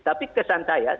tapi kesan saya